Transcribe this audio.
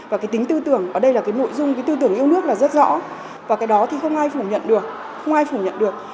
và cái tính tư tưởng ở đây là cái nội dung cái tư tưởng yêu nước là rất rõ và cái đó thì không ai phủ nhận được không ai phủ nhận được